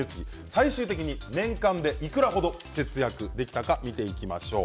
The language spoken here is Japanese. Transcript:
最終的に年間でいくら程節約できたか見ていきましょう。